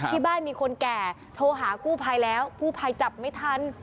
มีคนแก่โทรหากู้ภัยแล้วกู้ภัยจับไม่ทัน